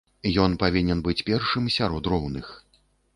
Ён павінен быць першым сярод роўных.